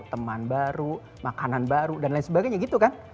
teman baru makanan baru dan lain sebagainya gitu kan